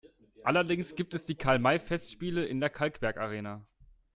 Allerdings gibt es die Karl-May-Festspiele in der Kalkbergarena.